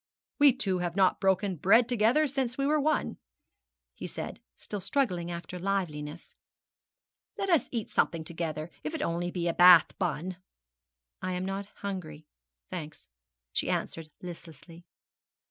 'We two have not broken bread together since we were one,' he said, still struggling after liveliness; 'let us eat something together, if it be only a Bath bun.' 'I am not hungry, thanks,' she answered listlessly.